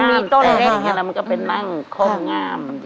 มันมีต้นไล่ไงมันก็ไปนั่งคนงาม